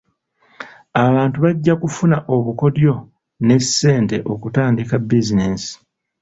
Abantu bajja kufuna obukodyo ne ssente okutandika bizinensi.